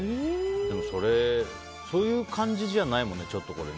でも、そういう感じじゃないもんね、これ。